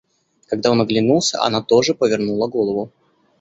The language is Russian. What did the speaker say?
Когда он оглянулся, она тоже повернула голову.